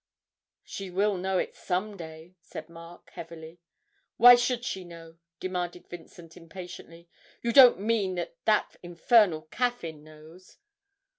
'She will know it some day,' said Mark, heavily. 'Why should she know?' demanded Vincent, impatiently; 'you don't mean that that infernal Caffyn knows?'